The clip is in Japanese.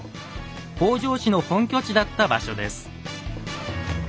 北条氏の本拠地だった場所です。